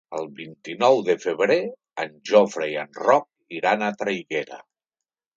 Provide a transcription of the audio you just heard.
El vint-i-nou de febrer en Jofre i en Roc iran a Traiguera.